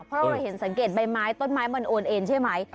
เพราะเราเห็นสังเกตใบไม้ต้นไม้มันโอนเอ็นใช่ไหม